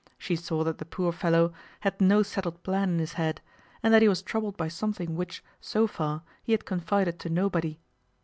She saw that the poor fellow had no settled plan in his head, and that he was troubled by something which, so far, he had confided to nobody.